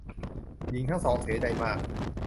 หญิงทั้งสองเสียใจมาก